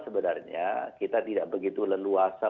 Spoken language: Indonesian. sebenarnya kita tidak begitu leluasa